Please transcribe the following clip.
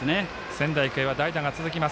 仙台育英は代打が続きます。